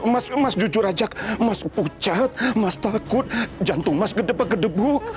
mas jujur aja mas pucat mas takut jantung mas gedebek gedebuk